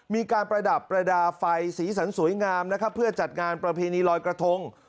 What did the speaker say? มีการประดับประดาษไฟสีสันสวยงามนะครับเพื่อจัดงานประเพณีลอยกระทง